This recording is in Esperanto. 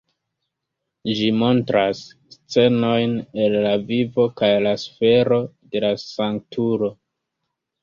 Ĝi montras scenojn el la vivo kaj la sufero de la sanktulo.